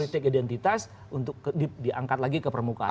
politik identitas untuk diangkat lagi ke permukaan